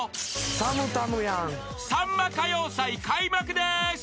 ［さんま歌謡祭開幕です］